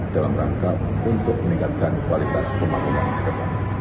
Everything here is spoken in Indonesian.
dalam rangka untuk meningkatkan kualitas pembangunan negara